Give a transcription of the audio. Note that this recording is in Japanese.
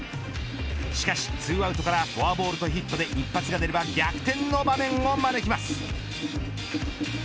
しかし、２アウトからフォアボールとヒットで一発が出れば逆転の場面を招きます。